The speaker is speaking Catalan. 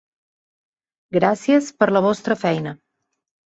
Gràcies per la vostra feina.